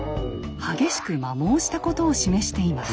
激しく摩耗したことを示しています。